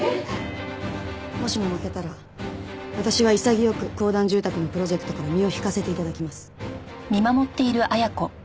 もしも負けたら私は潔く公団住宅のプロジェクトから身を引かせて頂きます。